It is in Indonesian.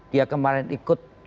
dia kemarin ikut